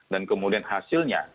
dan kemudian hasilnya